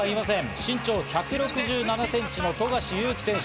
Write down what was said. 身長１６７ｃｍの富樫勇樹選手。